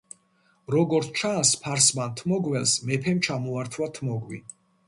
როგორც ჩანს, ფარსმან თმოგველს მეფემ ჩამოართვა თმოგვი.